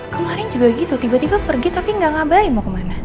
kemarin juga gitu tiba tiba pergi tapi nggak ngabarin mau kemana